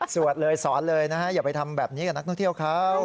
เลยสอนเลยนะฮะอย่าไปทำแบบนี้กับนักท่องเที่ยวเขา